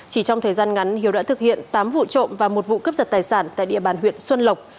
chỉ trong thời gian ngắn hiếu đã thực hiện tám vụ trộm và một vụ cướp giật tài sản tại địa bàn huyện xuân lộc